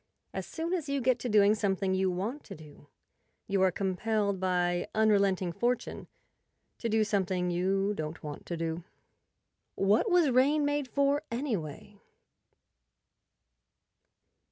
As soon as you get to doing something you want to do, you are compelled by unrelenting Fortune to do something you don't want to do. What was rain made for, anyway?